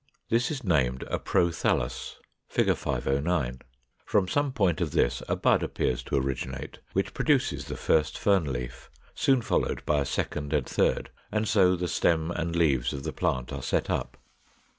This is named a PROTHALLUS (Fig. 509): from some point of this a bud appears to originate, which produces the first fern leaf, soon followed by a second and third, and so the stem and leaves of the plant are set up.